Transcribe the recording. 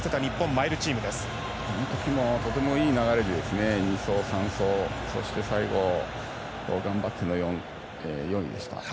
あの時もとてもいい流れで２走、３走最後、頑張って４位でした。